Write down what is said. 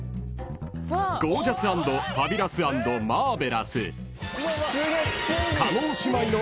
［ゴージャス＆ファビュラス＆マーベラス］